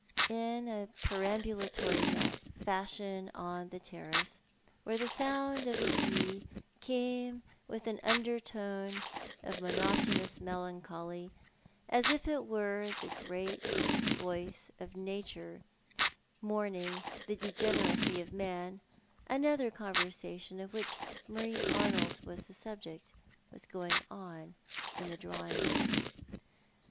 in a perambu latory fashion on the terrace, where the sound of the sea came in with an iindertone of monotonous melancholy, as if it were the great voice of Nature mourning the degeneracy of man, another conversation, of which Marie Arnold was the subjeo*", was going on in the drawing room.